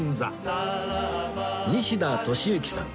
西田敏行さん